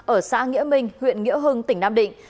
ở xã nghĩa minh huyện nghĩa hưng tỉnh nam định